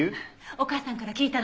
お母さんから聞いたの。